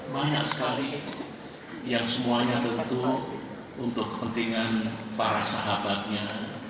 banyak sekali yang semuanya tentu untuk kepentingan para sahabatnya